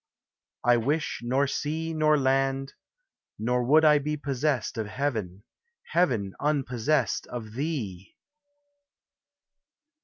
I wish nor sea nor land ; nor would I be Possessed of heaven, heaven unpossessed of thee